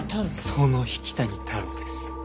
その引谷太郎です。